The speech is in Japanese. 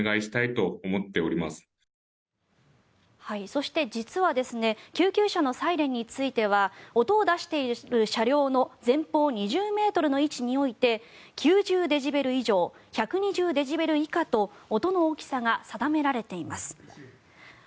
そして実は救急車のサイレンについては音を出している車両の前方２０ｍの位置において９０デシベル以上１２０デシベル以下と音の大きさが定められています。